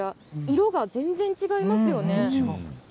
色が全然違いますよね。